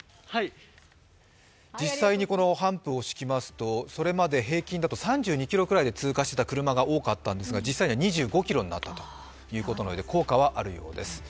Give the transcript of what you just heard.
実際にハンプを敷きますと、それまで平均だと３２キロくらいで通過していた車が多かったけれども実際には２５ｋｍになったということのようで、効果はあるようです